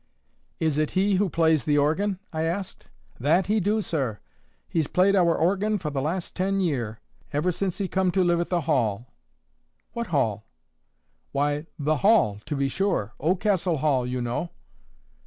"Is it he who plays the organ?" I asked. "That he do, sir. He's played our organ for the last ten year, ever since he come to live at the Hall." "What Hall?" "Why the Hall, to be sure,—Oldcastle Hall, you know."